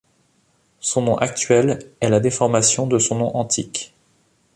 Son nom actuel est la déformation de son nom antique.